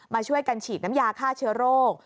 มาช่วยกันฉีดน้ำยาฆ่าเชื้อโรค